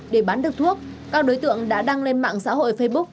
để bán được thuốc các đối tượng đã đăng lên mạng xã hội facebook